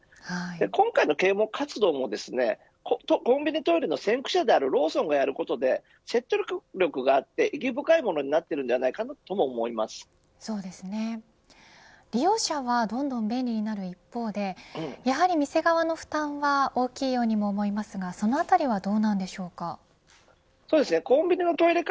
今回の啓蒙活動もコンビニトイレの先駆者であるローソンがやることで説得力があって意義深いものになっているんじゃないかとも利用者はどんどん便利になる一方でやはり店側の負担は大きいようにも思いますがそのあたりはどうなんでしょうか。